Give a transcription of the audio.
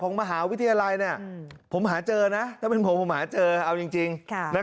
มหาวิทยาลัยผมหาเจอนะถ้าเป็นผมผมหาเจอเอาจริง